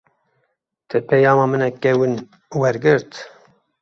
Te peyama min a kevin wergirt?